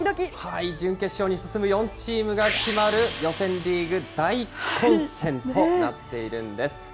準決勝に進む４チームが決まる予選リーグ、大混戦となっているんです。